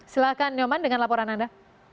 silahkan nyoman dengan laporan anda